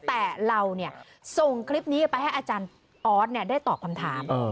แต่เราส่งคลิปนี้ไปให้อาจารย์ออสได้ตอบคำถาม